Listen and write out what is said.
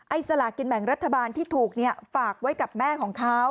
สลากินแบ่งรัฐบาลที่ถูกฝากไว้กับแม่ของเขา